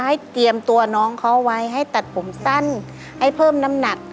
ให้เตรียมตัวน้องเขาไว้ให้ตัดผมสั้นให้เพิ่มน้ำหนัก